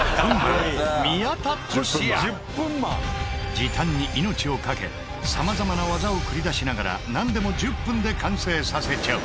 時短に命を懸けさまざまな技を繰り出しながらなんでも１０分で完成させちゃう！